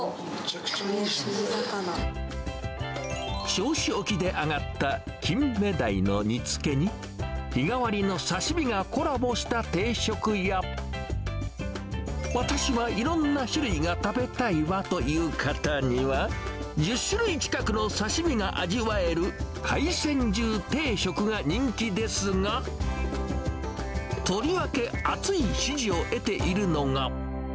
銚子沖で揚がったキンメダイの煮付けに、日替わりの刺身がコラボした定食や、私はいろんな種類が食べたいわという方には、１０種類近くの刺身が味わえる、海鮮重定食が人気ですが、とりわけ、熱い支持を得ているのが。